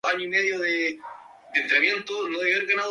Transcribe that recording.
Fue Duque de Asti y de Trento.